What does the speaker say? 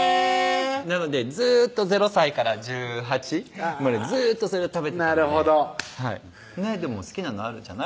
なのでずーっと０歳から１８までずーっとそれを食べてたのでなるほどでも好きなのあるじゃない？